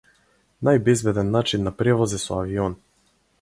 Најбезбеден начин на превоз е со авион.